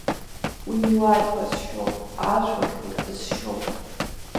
Уи милаҭ ҟазшьоуп, ажәлар ирҟазшьоуп.